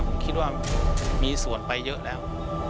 ผมคิดว่ามีส่วนไปเยอะแล้ว